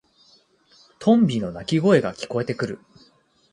トンビの鳴き声が聞こえてくる。